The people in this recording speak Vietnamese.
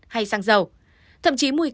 hay sang dầu thậm chí mùi